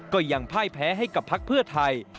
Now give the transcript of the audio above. ก็ยังพ่ายแพ้ให้กับพักเพื่อไทย